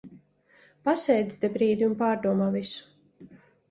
Pasēdi te brīdi un pārdomā visu.